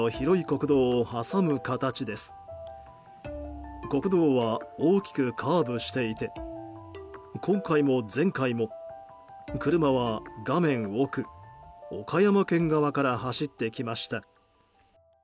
国道は大きくカーブしていて今回も前回も車は画面奥、岡山県側から走ってきました。